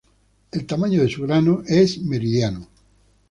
El tamaño de sus granos es mediano.